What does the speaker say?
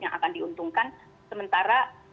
yang akan diuntungkan sementara